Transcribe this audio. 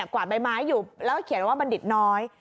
กวาดใบไม้อยู่แล้วเขียนว่าบัณฑิตน้อย